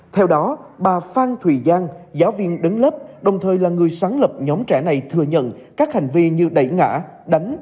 theo đó bà phan thùy giang giáo viên đứng lớp đồng thời là người sáng lập nhóm trẻ này thừa nhận các hành vi như đẩy ngã đánh